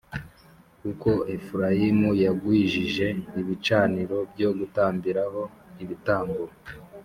Kuko Efurayimu yagwijije ibicaniro byo gutambiraho ibitambo